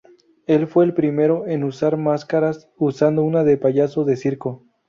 Él fue el primero en usar máscaras usando una de payaso de circo.